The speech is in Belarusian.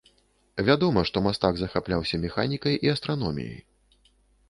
Вядома, што мастак захапляўся механікай і астраноміяй.